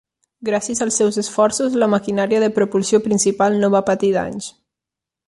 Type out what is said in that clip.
Gràcies als seus esforços, la maquinària de propulsió principal no va patir danys.